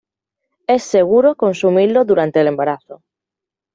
Es seguro consumirlo durante el embarazo.